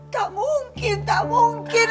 tak mungkin tak mungkin